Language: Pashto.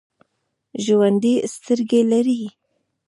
ژوندي سترګې لري